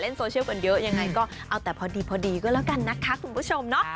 โซเชียลกันเยอะยังไงก็เอาแต่พอดีก็แล้วกันนะคะคุณผู้ชมเนาะ